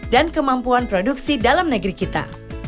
dan kemampuan produksi dalam negeri kita